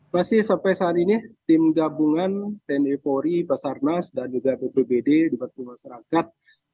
masih sampai saat ini tim gabungan tni puri basarnas dan juga bpd dibatku masyarakat